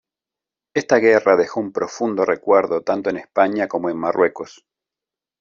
Esta guerra dejó un profundo recuerdo tanto en España como en Marruecos.